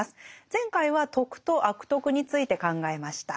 前回は「徳」と「悪徳」について考えました。